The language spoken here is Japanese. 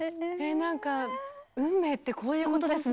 なんか運命ってこういうことですね。